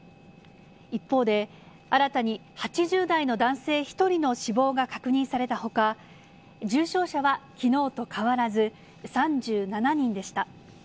一方で、新たに８０代の男性１人の死亡が確認されたほか、重症者はきのうと変わらず、３７人でした。